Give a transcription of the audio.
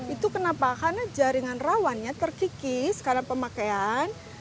itu kenapa karena jaringan rawannya terkikis karena pemakaian